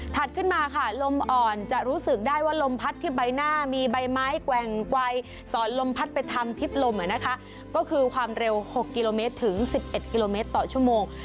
ขึ้นมาค่ะลมอ่อนจะรู้สึกได้ว่าลมพัดที่ใบหน้ามีใบไม้แกว่งไวสอนลมพัดไปทำพิษลมก็คือความเร็ว๖กิโลเมตรถึง๑๑กิโลเมตรต่อชั่วโมง